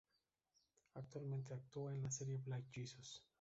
Actualmente actúa en la serie "Black Jesus".